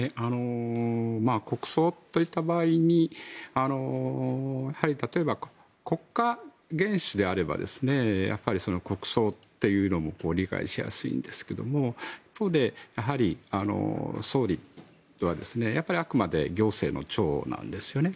国葬といった場合に例えば、国家元首であれば国葬というのも理解しやすいんですがやはり、総理ではあくまで行政の長なんですよね。